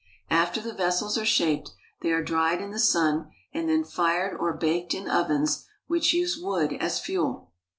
After the vessels are shaped, they are dried in the sun and then fired or baked in ovens which use wood as fuel.